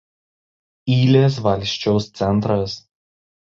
Ylės valsčiaus centras.